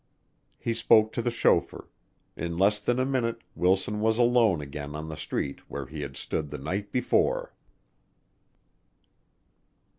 He spoke to the chauffeur. In less than a minute Wilson was alone again on the street where he had stood the night before.